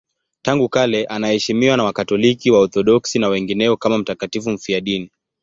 Tangu kale anaheshimiwa na Wakatoliki, Waorthodoksi na wengineo kama mtakatifu mfiadini.